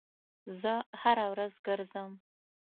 زه هره ورځ ګرځم